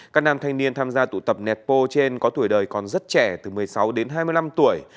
các nam thanh niên tham gia tụ tập nẹt bô trên có tuổi đời còn rất trẻ từ một mươi sáu đến hai mươi năm tuổi